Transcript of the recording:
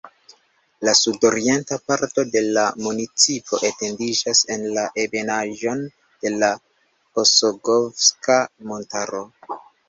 La sudorienta parto de la municipo etendiĝas en la ebenaĵon de la Osogovska Montaro.